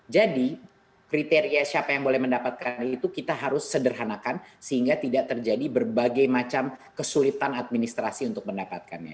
jadi kriteria siapa yang boleh mendapatkan itu kita harus sederhanakan sehingga tidak terjadi berbagai macam kesulitan administrasi untuk mendapatkannya